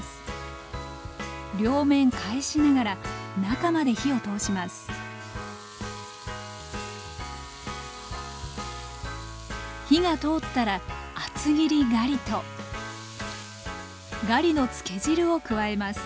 両面返しながら中まで火を通します火が通ったら厚切りガリとガリの漬け汁を加えます。